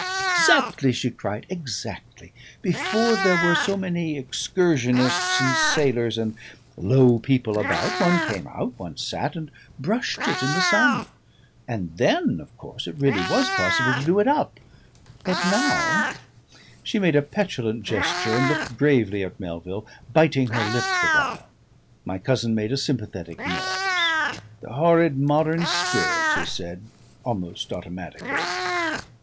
"Exactly!" she cried, "exactly! Before there were so many Excursionists and sailors and Low People about, one came out, one sat and brushed it in the sun. And then of course it really was possible to do it up. But now " She made a petulant gesture and looked gravely at Melville, biting her lip the while. My cousin made a sympathetic noise. "The horrid modern spirit," he said almost automatically....